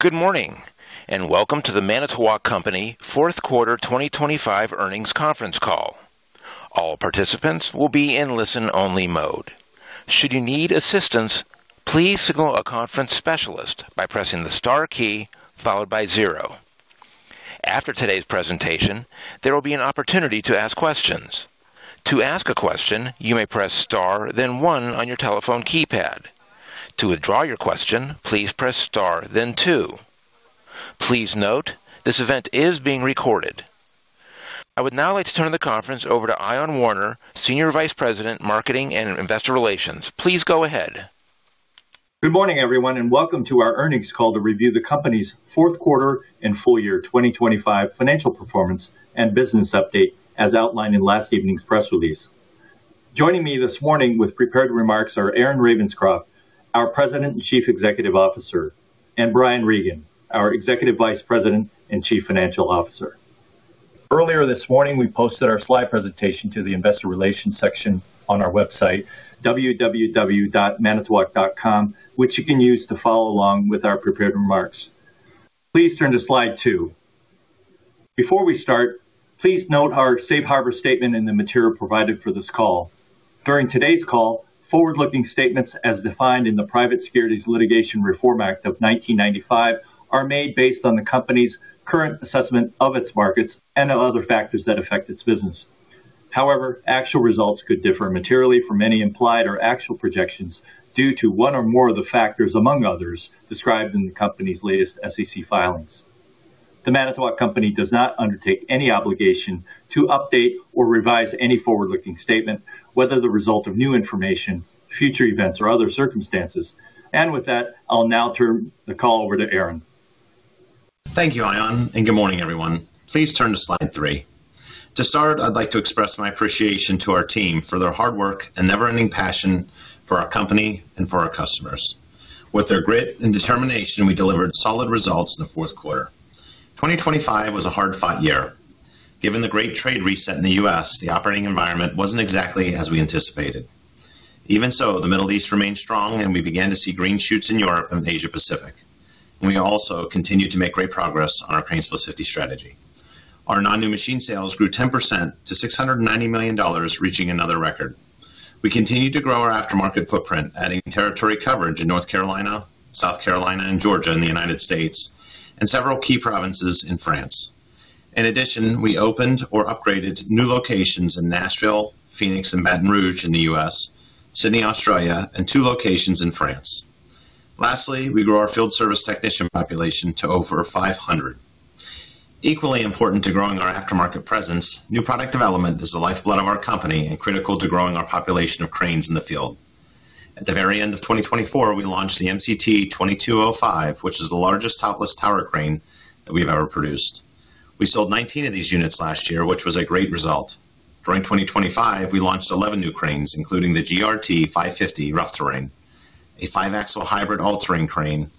Good morning and welcome to The Manitowoc Company 4th Quarter 2025 Earnings Conference Call. All participants will be in listen-only mode. Should you need assistance, please signal a conference specialist by pressing the star key followed by 0. After today's presentation, there will be an opportunity to ask questions. To ask a question, you may press star then 1 on your telephone keypad. To withdraw your question, please press star then 2. Please note, this event is being recorded. I would now like to turn the conference over to Ion Warner, Senior Vice President, Marketing and Investor Relations. Please go ahead. Good morning, everyone, and welcome to our earnings call to review the company's fourth quarter and full year 2025 financial performance and business update as outlined in last evening's press release. Joining me this morning with prepared remarks are Aaron Ravenscroft, our President and Chief Executive Officer, and Brian Regan, our Executive Vice President and Chief Financial Officer. Earlier this morning, we posted our slide presentation to the Investor Relations section on our website, www.manitowoc.com, which you can use to follow along with our prepared remarks. Please turn to slide 2. Before we start, please note our Safe Harbor Statement in the material provided for this call. During today's call, forward-looking statements, as defined in the Private Securities Litigation Reform Act of 1995, are made based on the company's current assessment of its markets and other factors that affect its business. However, actual results could differ materially from any implied or actual projections due to one or more of the factors, among others, described in the company's latest SEC filings. The Manitowoc Company does not undertake any obligation to update or revise any forward-looking statement, whether the result of new information, future events, or other circumstances. With that, I'll now turn the call over to Aaron. Thank you, Aaron, and good morning, everyone. Please turn to slide 3. To start, I'd like to express my appreciation to our team for their hard work and never-ending passion for our company and for our customers. With their grit and determination, we delivered solid results in the 4th Quarter. 2025 was a hard-fought year. Given the Great Trade Reset in the U.S., the operating environment wasn't exactly as we anticipated. Even so, the Middle East remained strong, and we began to see green shoots in Europe and Asia-Pacific. We also continued to make great progress on our CRANES+50 strategy. Our non-new machine sales grew 10% to $690 million, reaching another record. We continue to grow our aftermarket footprint, adding territory coverage in North Carolina, South Carolina, and Georgia in the United States, and several key provinces in France. In addition, we opened or upgraded new locations in Nashville, Phoenix, and Baton Rouge in the US, Sydney, Australia, and two locations in France. Lastly, we grew our field service technician population to over 500. Equally important to growing our aftermarket presence, new product development is the lifeblood of our company and critical to growing our population of cranes in the field. At the very end of 2024, we launched the MCT 2205, which is the largest topless tower crane that we've ever produced. We sold 19 of these units last year, which was a great result. During 2025, we launched 11 new cranes, including the GRT 550 rough-terrain, a 5-axle hybrid all-terrain crane,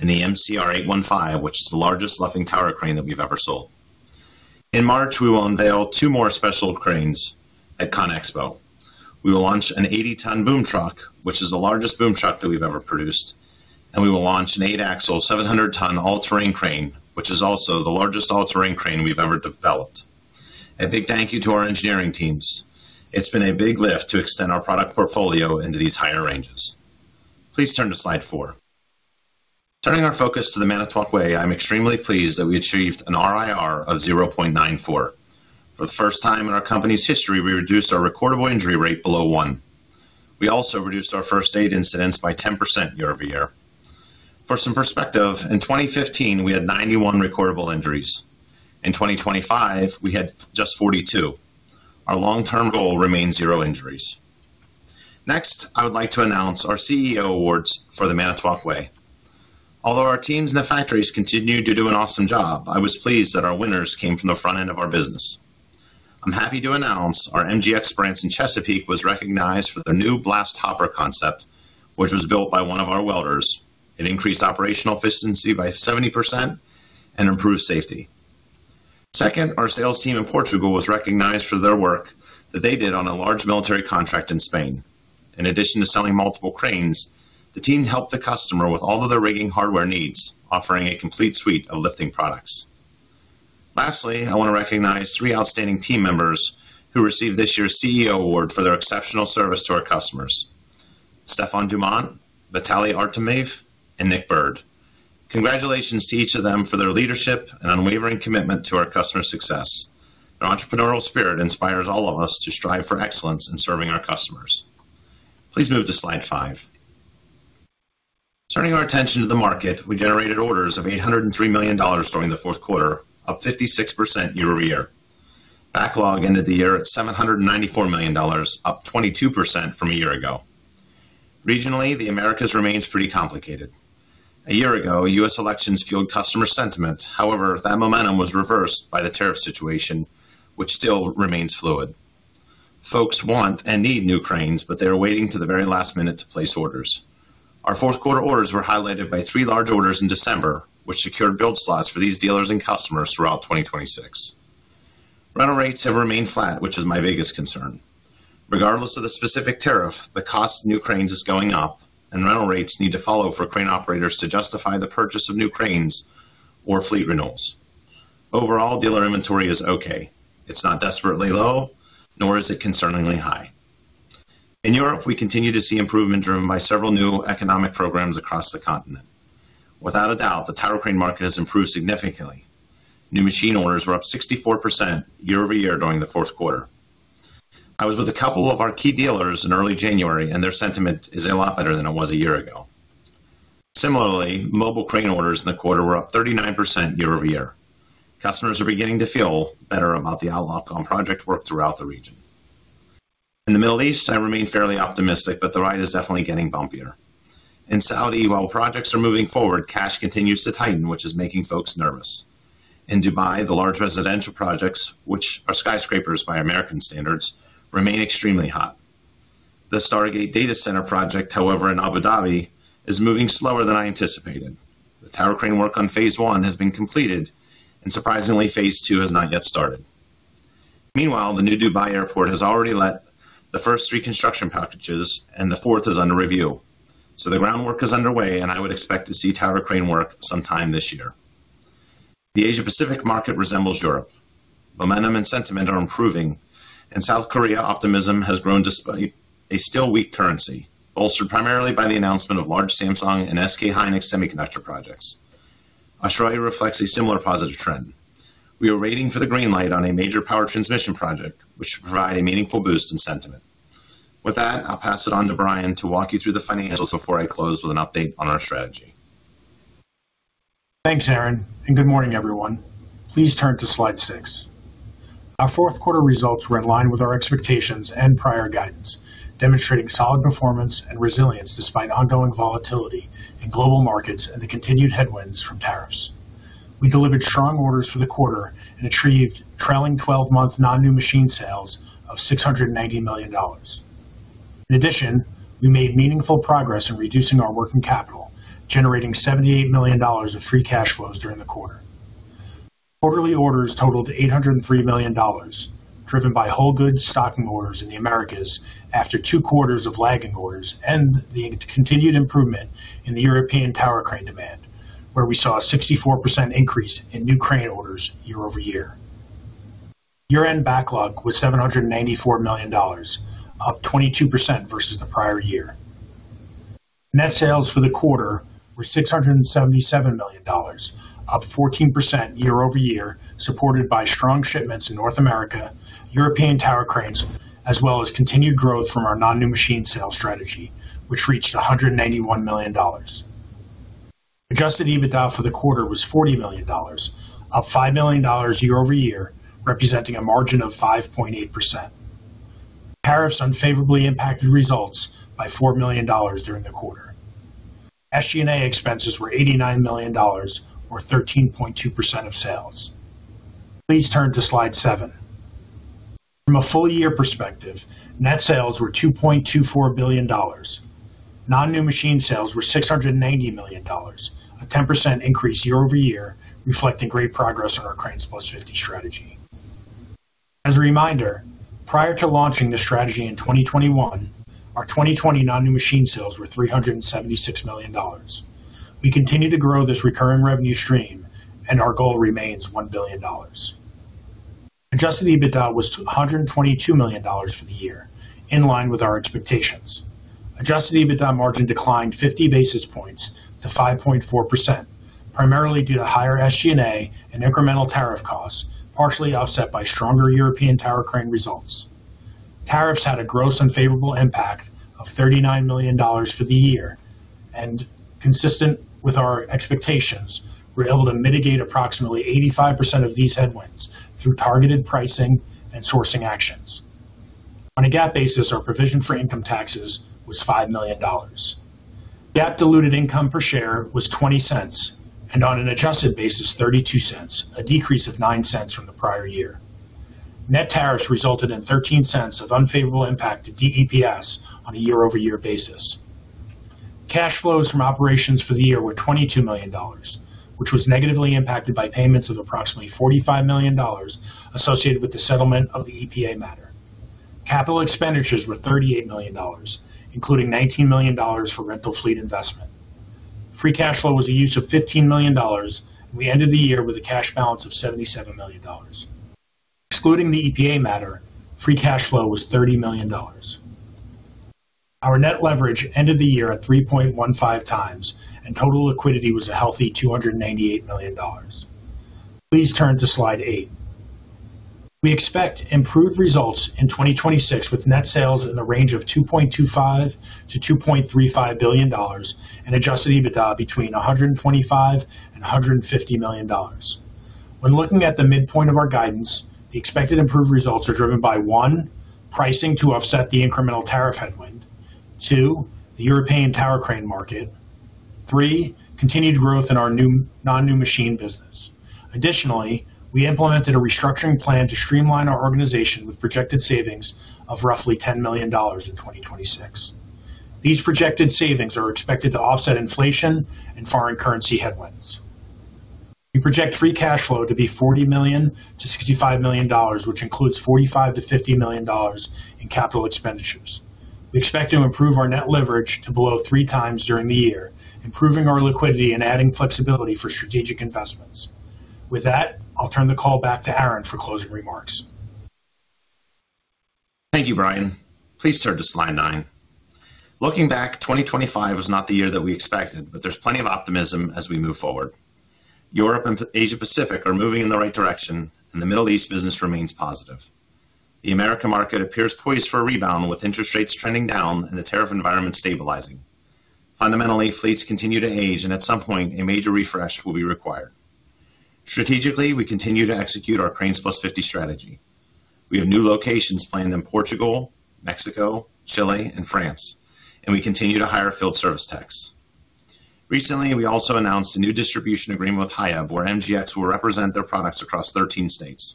and the MCR 815, which is the largest luffing tower crane that we've ever sold. In March, we will unveil two more special cranes at ConExpo. We will launch an 80-ton boom truck, which is the largest boom truck that we've ever produced, and we will launch an 8-axle, 700-ton all-terrain crane, which is also the largest all-terrain crane we've ever developed. A big thank you to our engineering teams. It's been a big lift to extend our product portfolio into these higher ranges. Please turn to slide 4. Turning our focus to the Manitowoc Way, I'm extremely pleased that we achieved an RIR of 0.94. For the first time in our company's history, we reduced our recordable injury rate below 1. We also reduced our first-aid incidents by 10% year-over-year. For some perspective, in 2015, we had 91 recordable injuries. In 2025, we had just 42. Our long-term goal remains zero injuries. Next, I would like to announce our CEO Awards for the Manitowoc Way. Although our teams in the factories continue to do an awesome job, I was pleased that our winners came from the front end of our business. I'm happy to announce our MGX branch in Chesapeake was recognized for their new blast hopper concept, which was built by one of our welders. It increased operational efficiency by 70% and improved safety. Second, our sales team in Portugal was recognized for their work that they did on a large military contract in Spain. In addition to selling multiple cranes, the team helped the customer with all of their rigging hardware needs, offering a complete suite of lifting products. Lastly, I want to recognize three outstanding team members who received this year's CEO Award for their exceptional service to our customers: Stephane Dumont, Vitaly Artemev, and Nick Bird. Congratulations to each of them for their leadership and unwavering commitment to our customer success. Their entrepreneurial spirit inspires all of us to strive for excellence in serving our customers. Please move to slide 5. Turning our attention to the market, we generated orders of $803 million during the 4th Quarter, up 56% year-over-year. Backlog ended the year at $794 million, up 22% from a year ago. Regionally, the Americas remains pretty complicated. A year ago, U.S. elections fueled customer sentiment. However, that momentum was reversed by the tariff situation, which still remains fluid. Folks want and need new cranes, but they are waiting to the very last minute to place orders. Our 4th Quarter orders were highlighted by three large orders in December, which secured build slots for these dealers and customers throughout 2026. Rental rates have remained flat, which is my biggest concern. Regardless of the specific tariff, the cost of new cranes is going up, and rental rates need to follow for crane operators to justify the purchase of new cranes or fleet renewals. Overall, dealer inventory is okay. It's not desperately low, nor is it concerningly high. In Europe, we continue to see improvement driven by several new economic programs across the continent. Without a doubt, the tower crane market has improved significantly. New machine orders were up 64% year-over-year during the 4th Quarter. I was with a couple of our key dealers in early January, and their sentiment is a lot better than it was a year ago. Similarly, mobile crane orders in the quarter were up 39% year-over-year. Customers are beginning to feel better about the outlook on project work throughout the region. In the Middle East, I remain fairly optimistic, but the ride is definitely getting bumpier. In Saudi, while projects are moving forward, cash continues to tighten, which is making folks nervous. In Dubai, the large residential projects, which are skyscrapers by American standards, remain extremely hot. The Stargate data center project, however, in Abu Dhabi is moving slower than I anticipated. The tower crane work on phase one has been completed, and surprisingly, phase two has not yet started. Meanwhile, the new Dubai airport has already let the first three construction packages, and the fourth is under review. So the groundwork is underway, and I would expect to see tower crane work sometime this year. The Asia-Pacific market resembles Europe. Momentum and sentiment are improving, and South Korea optimism has grown despite a still weak currency, bolstered primarily by the announcement of large Samsung and SK hynix semiconductor projects. Australia reflects a similar positive trend. We are waiting for the green light on a major power transmission project, which should provide a meaningful boost in sentiment. With that, I'll pass it on to Brian to walk you through the financials before I close with an update on our strategy. Thanks, Aaron, and good morning, everyone. Please turn to slide 6. Our 4th Quarter results were in line with our expectations and prior guidance, demonstrating solid performance and resilience despite ongoing volatility in global markets and the continued headwinds from tariffs. We delivered strong orders for the quarter and achieved trailing 12-month non-new machine sales of $690 million. In addition, we made meaningful progress in reducing our working capital, generating $78 million of free cash flows during the quarter. Quarterly orders totaled $803 million, driven by whole goods stocking orders in the Americas after two quarters of lagging orders and the continued improvement in the European tower crane demand, where we saw a 64% increase in new crane orders year-over-year. Year-end backlog was $794 million, up 22% versus the prior year. Net sales for the quarter were $677 million, up 14% year-over-year, supported by strong shipments in North America, European tower cranes, as well as continued growth from our non-new machine sales strategy, which reached $191 million. Adjusted EBITDA for the quarter was $40 million, up $5 million year-over-year, representing a margin of 5.8%. Tariffs unfavorably impacted results by $4 million during the quarter. SG&A expenses were $89 million, or 13.2% of sales. Please turn to slide 7. From a full year perspective, net sales were $2.24 billion. Non-new machine sales were $690 million, a 10% increase year-over-year, reflecting great progress on our CRANES+50 strategy. As a reminder, prior to launching this strategy in 2021, our 2020 non-new machine sales were $376 million. We continue to grow this recurring revenue stream, and our goal remains $1 billion. Adjusted EBITDA was $122 million for the year, in line with our expectations. Adjusted EBITDA margin declined 50 basis points to 5.4%, primarily due to higher SG&A and incremental tariff costs, partially offset by stronger European tower crane results. Tariffs had a gross unfavorable impact of $39 million for the year, and consistent with our expectations, we were able to mitigate approximately 85% of these headwinds through targeted pricing and sourcing actions. On a GAAP basis, our provision for income taxes was $5 million. GAAP diluted income per share was $0.20, and on an adjusted basis, $0.32, a decrease of $0.09 from the prior year. Net tariffs resulted in $0.13 of unfavorable impact to DEPS on a year-over-year basis. Cash flows from operations for the year were $22 million, which was negatively impacted by payments of approximately $45 million associated with the settlement of the EPA matter. Capital expenditures were $38 million, including $19 million for rental fleet investment. Free cash flow was a use of $15 million, and we ended the year with a cash balance of $77 million. Excluding the EPA matter, free cash flow was $30 million. Our net leverage ended the year at 3.15 times, and total liquidity was a healthy $298 million. Please turn to slide 8. We expect improved results in 2026 with net sales in the range of $2.25-$2.35 billion and adjusted EBITDA between $125 and $150 million. When looking at the midpoint of our guidance, the expected improved results are driven by, one, pricing to offset the incremental tariff headwind. Two, the European tower crane market. Three, continued growth in our non-new machine business. Additionally, we implemented a restructuring plan to streamline our organization with projected savings of roughly $10 million in 2026. These projected savings are expected to offset inflation and foreign currency headwinds. We project free cash flow to be $40 million-$65 million, which includes $45-$50 million in capital expenditures. We expect to improve our net leverage to below three times during the year, improving our liquidity and adding flexibility for strategic investments. With that, I'll turn the call back to Aaron for closing remarks. Thank you, Brian. Please turn to slide 9. Looking back, 2025 was not the year that we expected, but there's plenty of optimism as we move forward. Europe and Asia-Pacific are moving in the right direction, and the Middle East business remains positive. The American market appears poised for a rebound with interest rates trending down and the tariff environment stabilizing. Fundamentally, fleets continue to age, and at some point, a major refresh will be required. Strategically, we continue to execute our CRANES+50 strategy. We have new locations planned in Portugal, Mexico, Chile, and France, and we continue to hire field service techs. Recently, we also announced a new distribution agreement with Hiab, where MGX will represent their products across 13 states.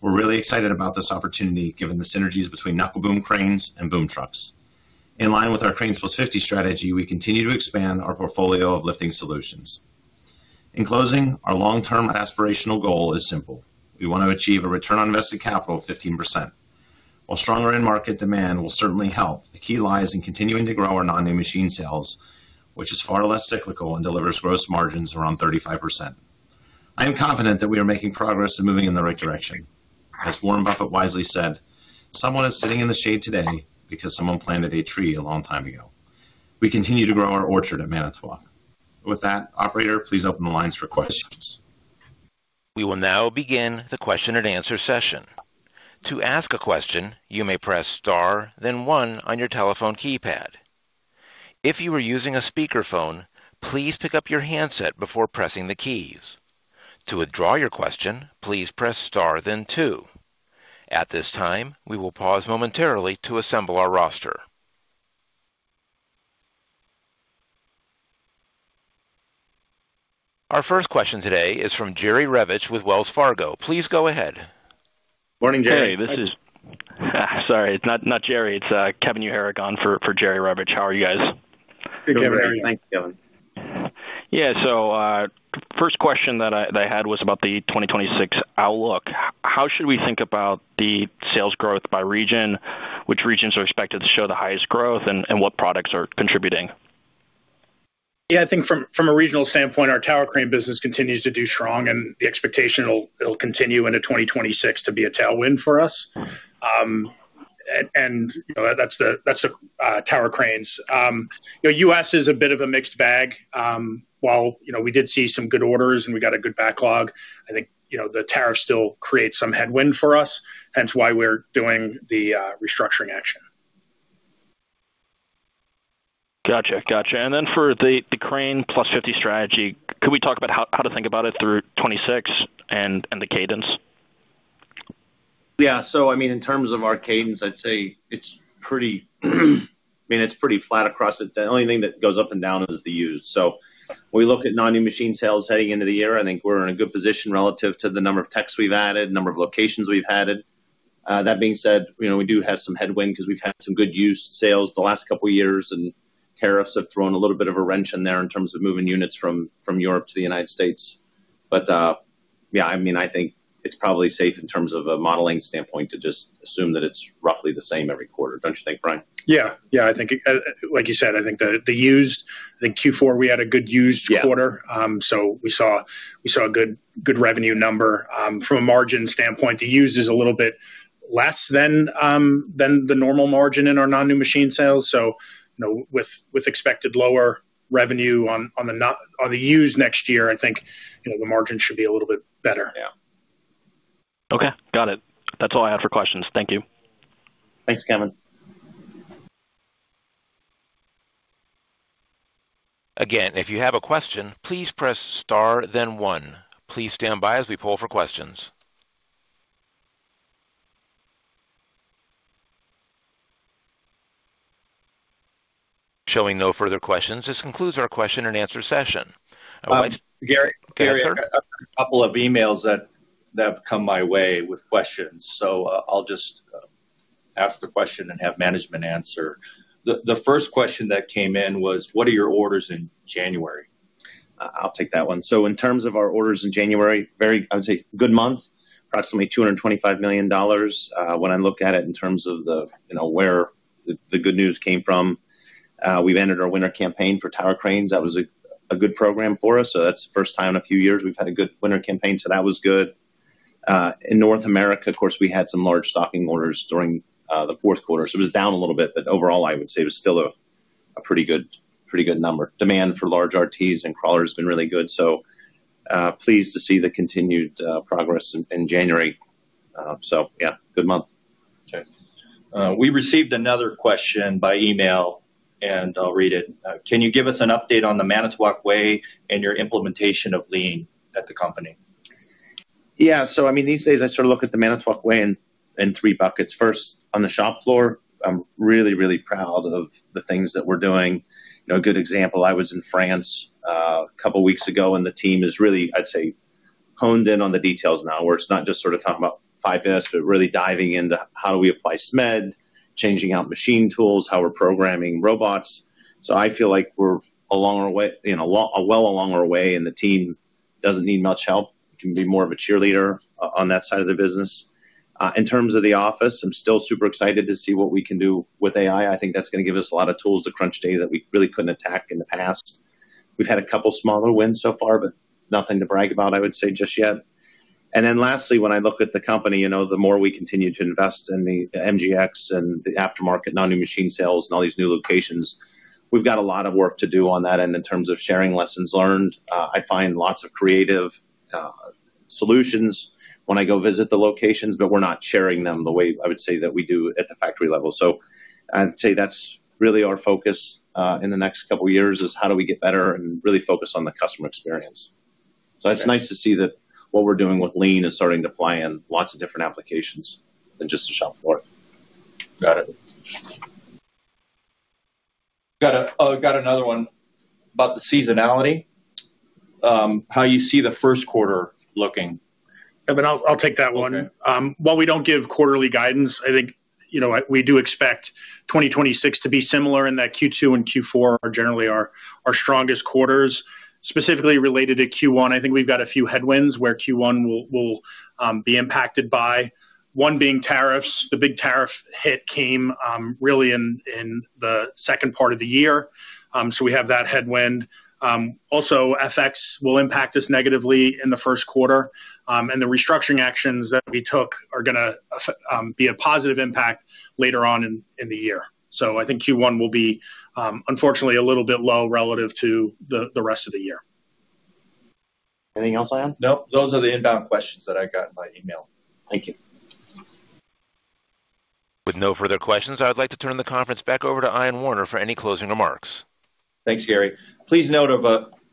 We're really excited about this opportunity, given the synergies between knuckle boom cranes and boom trucks. In line with our CRANES+50 strategy, we continue to expand our portfolio of lifting solutions. In closing, our long-term aspirational goal is simple. We want to achieve a return on invested capital of 15%. While stronger in-market demand will certainly help, the key lies in continuing to grow our non-new machine sales, which is far less cyclical and delivers gross margins around 35%. I am confident that we are making progress and moving in the right direction. As Warren Buffett wisely said, "Someone is sitting in the shade today because someone planted a tree a long time ago." We continue to grow our orchard at Manitowoc. With that, operator, please open the lines for questions. We will now begin the question-and-answer session. To ask a question, you may press star, then 1 on your telephone keypad. If you are using a speakerphone, please pick up your handset before pressing the keys. To withdraw your question, please press star, then 2. At this time, we will pause momentarily to assemble our roster. Our first question today is from Jerry Revich with Wells Fargo. Please go ahead. Morning, Jerry. Hey, it's not Jerry. It's Kevin O'Hagan for Jerry Revich. How are you guys? Good, Kevin. Thanks, Kevin. Yeah, so first question that I had was about the 2026 outlook. How should we think about the sales growth by region? Which regions are expected to show the highest growth, and what products are contributing? Yeah, I think from a regional standpoint, our tower crane business continues to do strong, and the expectation it'll continue into 2026 to be a tailwind for us. That's the tower cranes. U.S. is a bit of a mixed bag. While we did see some good orders and we got a good backlog, I think the tariff still creates some headwind for us, hence why we're doing the restructuring action. Gotcha, gotcha. And then for the CRANES+50 strategy, could we talk about how to think about it through 2026 and the cadence? Yeah, so I mean, in terms of our cadence, I'd say it's pretty I mean, it's pretty flat across it. The only thing that goes up and down is the used. So when we look at non-new machine sales heading into the year, I think we're in a good position relative to the number of techs we've added, the number of locations we've added. That being said, we do have some headwind because we've had some good used sales the last couple of years, and tariffs have thrown a little bit of a wrench in there in terms of moving units from Europe to the United States. But yeah, I mean, I think it's probably safe in terms of a modeling standpoint to just assume that it's roughly the same every quarter. Don't you think, Brian? Yeah, yeah, I think like you said, I think the used I think Q4 we had a good used quarter, so we saw a good revenue number. From a margin standpoint, the used is a little bit less than the normal margin in our non-new machine sales. So with expected lower revenue on the used next year, I think the margin should be a little bit better. Yeah. Okay, got it. That's all I had for questions. Thank you. Thanks, Kevin. Again, if you have a question, please press star, then 1. Please stand by as we pull for questions. Showing no further questions. This concludes our question-and-answer session. I'll wait for your answer. Okay, Gary, a couple of emails that have come my way with questions, so I'll just ask the question and have management answer. The first question that came in was, "What are your orders in January? I'll take that one. So in terms of our orders in January, I would say good month, approximately $225 million when I look at it in terms of where the good news came from. We've entered our winter campaign for tower cranes. That was a good program for us. So that's the first time in a few years we've had a good winter campaign, so that was good. In North America, of course, we had some large stocking orders during the fourth quarter. So it was down a little bit, but overall, I would say it was still a pretty good number. Demand for large RTs and crawlers has been really good, so pleased to see the continued progress in January. So yeah, good month. Okay. We received another question by email, and I'll read it. Can you give us an update on the Manitowoc Way and your implementation of Lean at the company? Yeah, so I mean, these days, I sort of look at the Manitowoc Way in three buckets. First, on the shop floor, I'm really, really proud of the things that we're doing. A good example, I was in France a couple of weeks ago, and the team has really, I'd say, honed in on the details now, where it's not just sort of talking about 5S, but really diving into, "How do we apply SMED? Changing out machine tools. How are we programming robots?" So I feel like we're a long way along our way, and the team doesn't need much help. It can be more of a cheerleader on that side of the business. In terms of the office, I'm still super excited to see what we can do with AI. I think that's going to give us a lot of tools to crunch data that we really couldn't attack in the past. We've had a couple of smaller wins so far, but nothing to brag about, I would say, just yet. And then lastly, when I look at the company, the more we continue to invest in the MGX and the aftermarket non-new machine sales and all these new locations, we've got a lot of work to do on that end in terms of sharing lessons learned. I find lots of creative solutions when I go visit the locations, but we're not sharing them the way I would say that we do at the factory level. So I'd say that's really our focus in the next couple of years is, "How do we get better and really focus on the customer experience?" So it's nice to see that what we're doing with Lean is starting to apply in lots of different applications than just the shop floor. Got it. Got another one about the seasonality. How you see the first quarter looking? Kevin, I'll take that one. While we don't give quarterly guidance, I think we do expect 2026 to be similar in that Q2 and Q4 generally are strongest quarters. Specifically related to Q1, I think we've got a few headwinds where Q1 will be impacted by, one being tariffs. The big tariff hit came really in the second part of the year, so we have that headwind. Also, FX will impact us negatively in the first quarter, and the restructuring actions that we took are going to be a positive impact later on in the year. So I think Q1 will be, unfortunately, a little bit low relative to the rest of the year. Anything else, Ion? Nope. Those are the inbound questions that I got in my email. Thank you. With no further questions, I would like to turn the conference back over to Ion Warner for any closing remarks. Thanks, Gary. Please note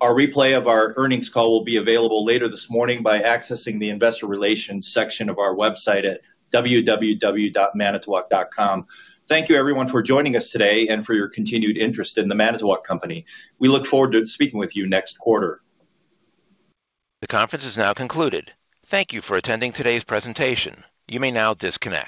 our replay of our earnings call will be available later this morning by accessing the investor relations section of our website at www.manitowoc.com. Thank you, everyone, for joining us today and for your continued interest in the Manitowoc Company. We look forward to speaking with you next quarter. The conference is now concluded. Thank you for attending today's presentation. You may now disconnect.